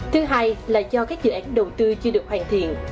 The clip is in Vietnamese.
thứ hai là do các dự án đầu tư chưa được hoàn thiện